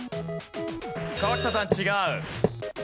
川北さん違う。